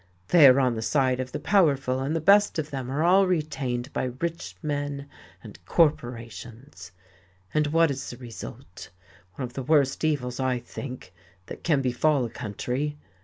They are on the side of the powerful, and the best of them are all retained by rich men and corporations. And what is the result? One of the worst evils, I think, that can befall a country.